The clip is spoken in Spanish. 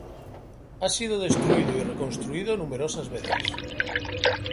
Ha sido destruido y reconstruido numerosas veces.